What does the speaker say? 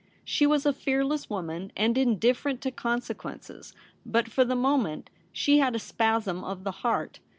She was a fearless woman and indifferent to conse quences, but for the moment she had a spasm of the heart.